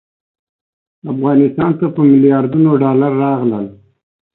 افغانستان ته په میلیاردونو ډالر راغلل.